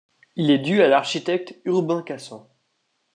Il est dû à l'architecte Urbain Cassan.